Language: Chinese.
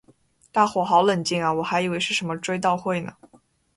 大伙好冷静啊我还以为是什么追悼会呢